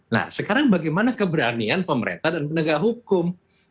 nah sekarang bagaimana keberanian pemerintah dan penegak hukum